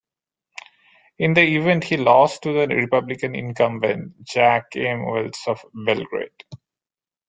In the event he lost to the Republican incumbent, Jack M. Wells of Belgrade.